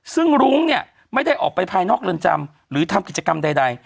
ซึ่งรุ้งเนี่ยไม่ได้ออกไปภายนอกเรือนจำหรือทำกิจกรรมใด